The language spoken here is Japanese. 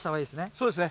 そうですね。